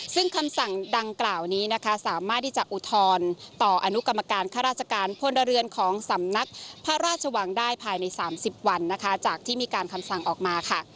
ซึ่งคำสั่งดังกล่าวนี้นะคะสามารถที่จะอุทธรณ์ต่ออนุกรรมการข้าราชการพลเรือนของสำนักพระราชวังได้ภายใน๓๐วันนะคะจากที่มีการคำสั่งออกมาค่ะ